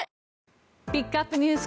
ピックアップＮＥＷＳ